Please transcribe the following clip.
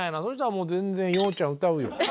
それじゃあもう全然洋ちゃん歌うよ。